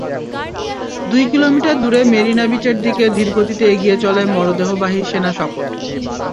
দুই কিলোমিটার দূরে মেরিনা বিচের দিকে ধীরগতিতে এগিয়ে চলে মরদেহবাহী সেনা শকট।